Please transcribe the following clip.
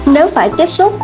nếu phải tiếp xúc